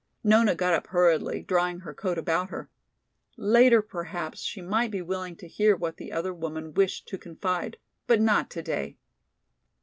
Nona got up hurriedly, drawing her coat about her. Later perhaps she might be willing to hear what the other woman wished to confide, but not today.